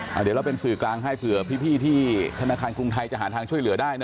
เดี๋ยวเราเป็นสื่อกลางให้เผื่อพี่ที่ธนาคารกรุงไทยจะหาทางช่วยเหลือได้นะ